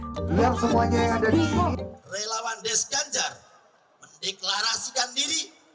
setiap semuanya yang ada di relawan des ganjar mendeklarasikan diri